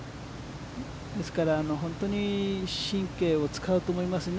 ですから、本当に神経を使うと思いますね。